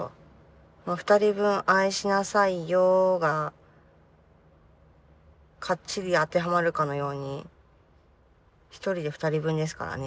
まあ「２人分愛しなさいよ」がかっちり当てはまるかのように１人で２人分ですからね。